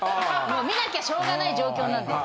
見なきゃしょうがない状況なんで。